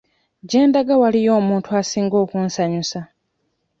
Gye ndaga waliyo omuntu asinga okunsanyusa.